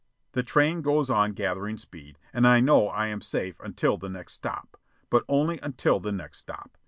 The train goes on gathering speed, and I know I am safe until the next stop but only until the next stop.